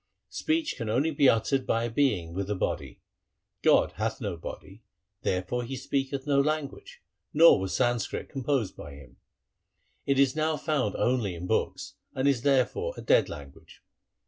Speech can only be uttered by a being with a body. God hath no body, there fore He speaketh no language, nor was Sanskrit composed by Him. It is now found only in books, and is therefore a dead language.